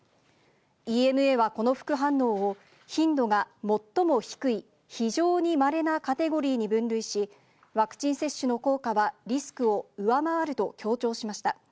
ＥＭＡはこの副反応を頻度が最も低い非常にまれなカテゴリーに分類し、ワクチン接種の効果はリスクを上回ると強調しました。